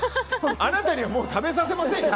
あなたにはもう食べさせませんよ。